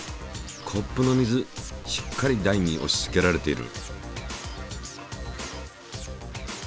コップの水しっかり台におしつけられている。